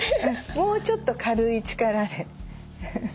もうちょっと軽い力で。